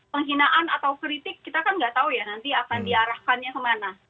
penghinaan atau kritik kita kan nggak tahu ya nanti akan diarahkannya kemana